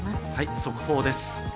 速報です。